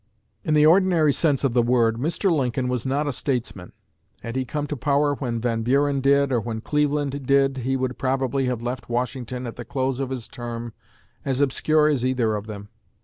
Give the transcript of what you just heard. In the ordinary sense of the word, Mr. Lincoln was not a statesman. Had he come to power when Van Buren did, or when Cleveland did, he would probably have left Washington at the close of his term as obscure as either of them.